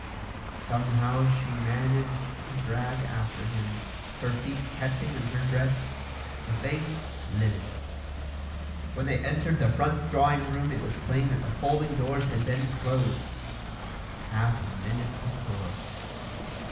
Somehow she managed to drag after him, her feet catching in her dress, her face livid. When they entered the front drawing room it was plain that the folding doors had been closed half a minute before.